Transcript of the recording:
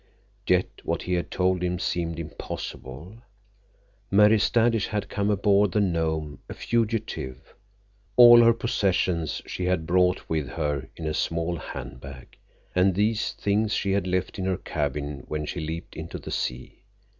Yet what he had told him seemed impossible. Mary Standish had come aboard the Nome a fugitive. All her possessions she had brought with her in a small hand bag, and these things she had left in her cabin when she leaped into the sea.